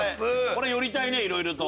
これ寄りたいねいろいろと。